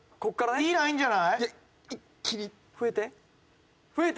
いいラインじゃない？増えて。